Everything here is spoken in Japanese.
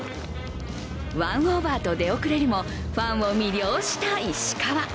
１オーバーと出遅れるもファンを魅了した石川。